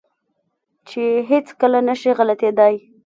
چې هېڅ کله نه شي غلطېداى.